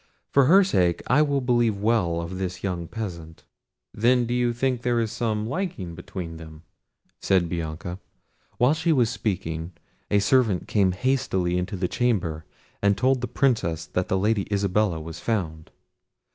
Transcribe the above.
For her sake I will believe well of this young peasant." "Then you do think there is some liking between them," said Bianca. While she was speaking, a servant came hastily into the chamber and told the Princess that the Lady Isabella was found.